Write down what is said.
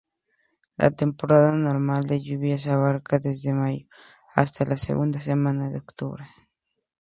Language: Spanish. La temporada normal de lluvias abarca desde mayo hasta la segunda semana de octubre.